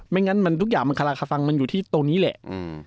งั้นทุกอย่างมันคลาคฟังมันอยู่ที่ตรงนี้แหละ